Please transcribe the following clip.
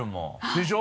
でしょ？